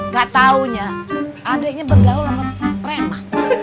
gak taunya adiknya bergaul sama premah